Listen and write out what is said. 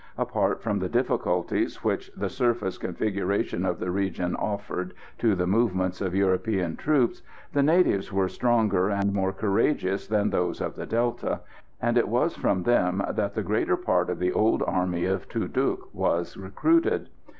Apart from the difficulties which the surface configuration of the region offered to the movements of European troops, the natives were stronger and more courageous than those of the Delta, and it was from them that the greater part of the old army of Tu Duc was recruited.